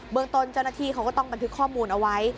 เมืองต้นเจ้าหน้าที่เขาก็ต้องบันทึกข้อมูลเอาไว้